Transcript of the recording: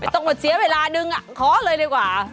ต้องมาเสียเวลานึงขอเลยดีกว่า